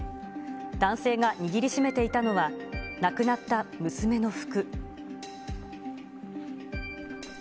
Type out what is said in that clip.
男性が握りしめていたのは、亡くなった娘の服。